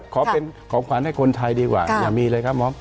ขอเป็นของขวัญให้คนไทยดีกว่าอย่ามีเลยครับมอบ